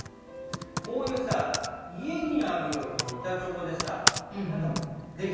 こういうさ家にある板チョコでさ何かできるものないかな？